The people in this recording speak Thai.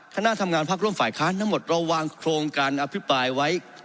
คณะทำงานพักร่วมฝ่ายค้านทั้งหมดเราวางโครงการอภิปรายไว้